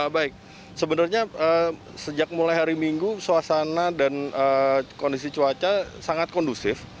baik sebenarnya sejak mulai hari minggu suasana dan kondisi cuaca sangat kondusif